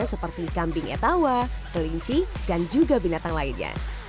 seperti kambing etawa kelinci dan juga binatang lainnya